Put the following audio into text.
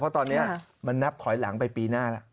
เพราะตอนนี้มันนับถอยหลังไปปีหน้าแล้ว